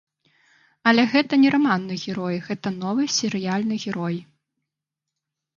Але гэта не раманны герой, гэта новы серыяльны герой.